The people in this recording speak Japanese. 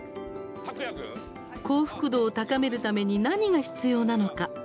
幸福度を高めるために何が必要なのか？